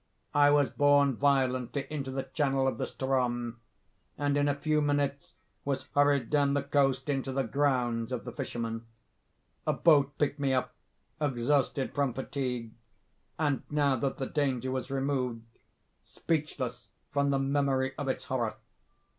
I was borne violently into the channel of the Ström, and in a few minutes was hurried down the coast into the 'grounds' of the fishermen. A boat picked me up—exhausted from fatigue—and (now that the danger was removed) speechless from the memory of its horror.